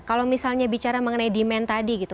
kalau misalnya bicara mengenai demand tadi gitu